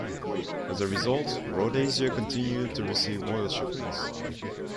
As a result, Rhodesia continued to receive oil shipments.